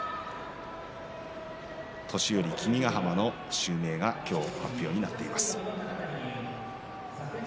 年寄君ヶ濱の襲名が今日、発表になっています。